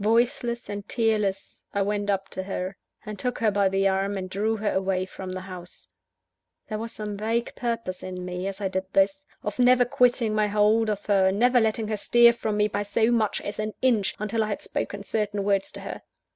Voiceless and tearless, I went up to her, and took her by the arm, and drew her away from the house. There was some vague purpose in me, as I did this, of never quitting my hold of her, never letting her stir from me by so much as an inch, until I had spoken certain words to her.